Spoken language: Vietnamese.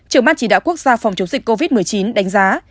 trưởng ban chỉ đạo quốc gia phòng chống dịch covid một mươi chín đánh giá